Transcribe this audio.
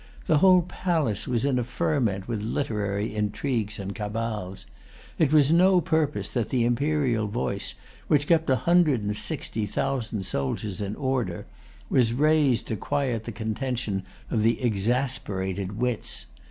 The whole palace was in a ferment with literary intrigues and cabals. It was to no purpose that the imperial voice, which kept a hundred and sixty thousand soldiers in order, was raised to quiet the contention of the exasperated wits.